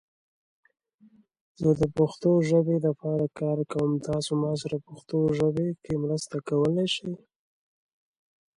All people were welcomed, no one was turned away.